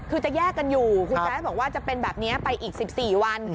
คือจะแยกกันอยู่คุณแจ๊สบอกว่าจะเป็นแบบนี้ไปอีก๑๔วัน